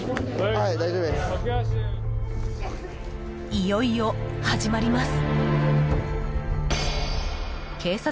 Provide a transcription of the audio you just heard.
［いよいよ始まります］